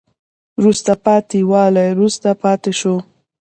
وروسته پاتې والی وروسته پاتې شوه